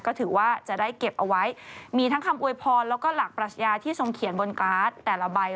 ก็ถือว่าจะได้เก็บเอาไว้มีทั้งคำอวยพรแล้วก็หลักปรัชญาที่ทรงเขียนบนการ์ดแต่ละใบ